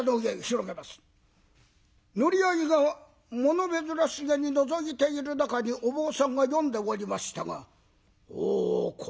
乗り合いがもの珍しげにのぞいている中にお坊さんが読んでおりましたが「おおこれは珍しい手紙じゃな。